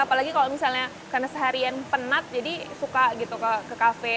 apalagi kalau misalnya karena seharian penat jadi suka gitu ke kafe